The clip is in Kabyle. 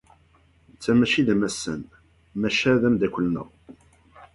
Netta maci d amassan, maca d ameddakel-nneɣ.